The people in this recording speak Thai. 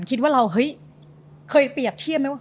คิดว่าเราเฮ้ยเคยเปรียบเทียบไหมวะ